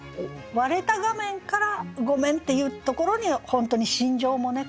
割れた画面から「ごめん」って言うところに本当に心情もね